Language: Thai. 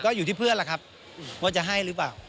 ก็อยู่ที่เพื่อนล่ะครับว่าจะให้หรือเปล่า